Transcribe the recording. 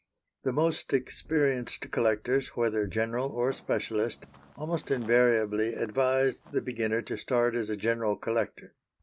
The most experienced collectors, whether general or specialist, almost invariably advise the beginner to start as a general collector.